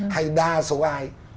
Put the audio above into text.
hay đa số ai